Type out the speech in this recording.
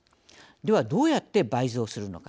ではどうやって倍増するのか。